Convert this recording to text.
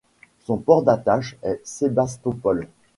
Son port d’attache est Sébastopol.